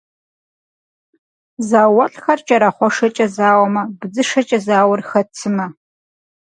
Зауэлӏхэр кӏэрахъуэшэкӏэ зауэмэ, быдзышэкӏэ зауэхэр хэт сымэ?